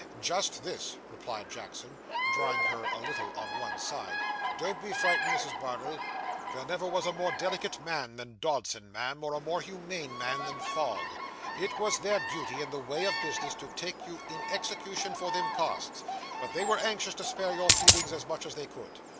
'Just this,' replied Jackson, drawing her a little on one side; 'don't be frightened, Mrs. Bardell. There never was a more delicate man than Dodson, ma'am, or a more humane man than Fogg. It was their duty in the way of business, to take you in execution for them costs; but they were anxious to spare your feelings as much as they could.